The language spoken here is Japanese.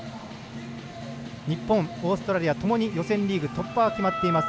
日本、オーストラリアともに予選リーグ突破は決まっています。